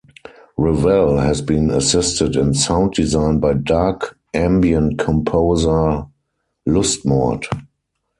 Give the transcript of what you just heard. Revell has been assisted in sound design by dark ambient composer, Lustmord.